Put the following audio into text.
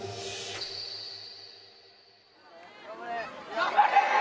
頑張れ！